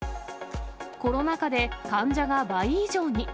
コロナ禍で患者が倍以上に。